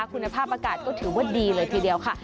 คุณภาพอากาศก็ถือว่าดีเลยทีเดียวค่ะ